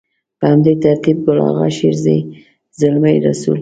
په همدې ترتيب ګل اغا شېرزي، زلمي رسول.